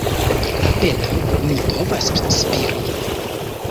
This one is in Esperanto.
"Apenaŭ mi povas spiri.